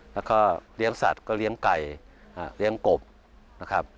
แล้วก็เลี้ยงสัตว์ก็เลี้ยงไก่เลี้ยงกบนะครับ